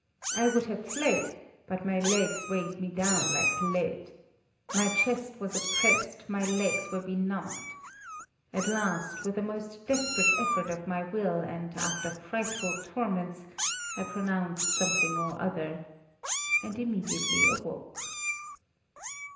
I would have fled, but my legs weighed me down like lead. My chest was oppressed, my legs were benumbed. At last, with a most desperate effort of my will, and after frightful torments, I pronounced something or other and immediately awoke.